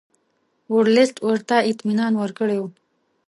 ورلسټ ورته اطمینان ورکړی وو.